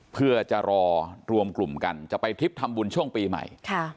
เพื่อจะรอรวมกลุ่มกันจะไปทริปทำบุญช่วงปีใหม่